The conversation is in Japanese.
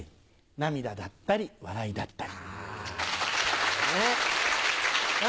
涙だったり笑いだったり。